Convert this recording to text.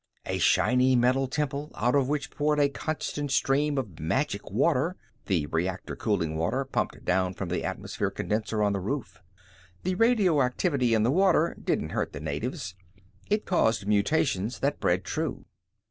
A shiny metal temple out of which poured a constant stream of magic water the reactor cooling water pumped down from the atmosphere condenser on the roof. The radioactivity in the water didn't hurt the natives. It caused mutations that bred true.